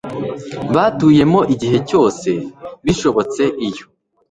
batuyemo igihe cyose bishobotse iyo